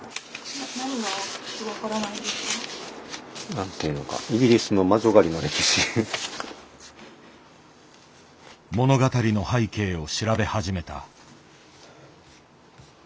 何ていうのか物語の背景を調べ始めた。